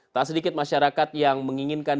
tak sedikit masyarakat yang menginginkan